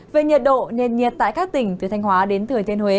về nhiệt độ nền nhiệt tại các tỉnh từ thanh hóa đến thừa thiên huế